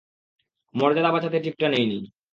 মর্যাদা বাঁচাতে টিপটা নেইনি।